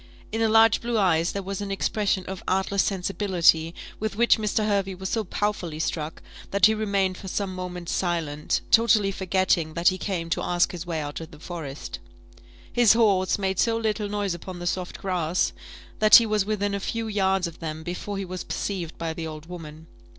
In her large blue eyes there was an expression of artless sensibility with which Mr. Hervey was so powerfully struck that he remained for some moments silent, totally forgetting that he came to ask his way out of the forest. His horse had made so little noise upon the soft grass, that he was within a few yards of them before he was perceived by the old woman.